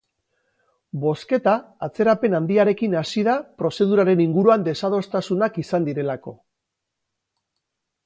Bozketa atzerapen handiarekin hasi da prozeduraren inguruan desadostasunak izan direlako.